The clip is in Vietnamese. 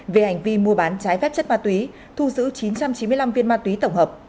về hành vi mua bán trái phép chất ma túy thu giữ chín trăm chín mươi năm viên ma túy tổng hợp